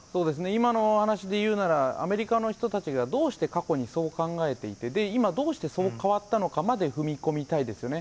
今のお話でいうなら、アメリカの人たちが、どうして過去にそう考えていて、今、どうしてそう変わったかまで踏み込みたいですよね。